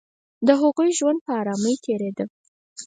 د هغوی ژوند په آرامۍ تېرېده